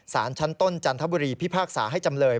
สารชั้นต้นจันทบุรีพิพากษาให้จำเลย